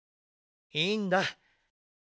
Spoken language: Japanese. いいんだ。